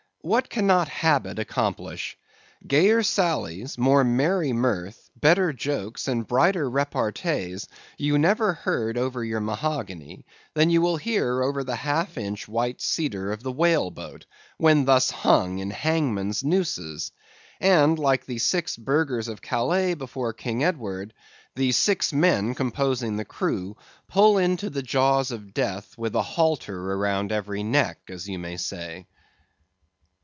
what cannot habit accomplish?—Gayer sallies, more merry mirth, better jokes, and brighter repartees, you never heard over your mahogany, than you will hear over the half inch white cedar of the whale boat, when thus hung in hangman's nooses; and, like the six burghers of Calais before King Edward, the six men composing the crew pull into the jaws of death, with a halter around every neck, as you may say.